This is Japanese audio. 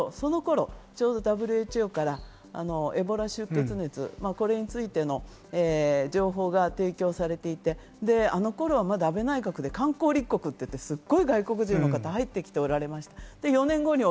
なんでかっていうと、その頃ちょうどＷＨＯからエボラ出血熱、これについての情報が提供されていて、あの頃はまだ安倍内閣で観光立国といって、すごい観光客の方が入ってこられていた。